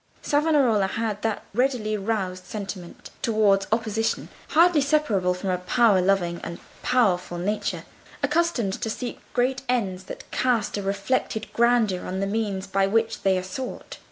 Savonarola had that readily roused resentment towards opposition, hardly separable from a power loving and powerful nature, accustomed to seek great ends that cast a reflected grandeur on the means by which they are sought.